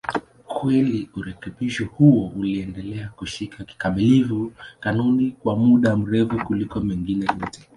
Kweli urekebisho huo uliendelea kushika kikamilifu kanuni kwa muda mrefu kuliko mengine yote.